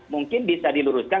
mungkin bisa diluruskan